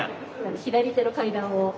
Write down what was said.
左手の階段を。